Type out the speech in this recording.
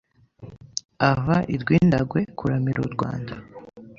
Ava i Rwindagwe kuramira u Rwanda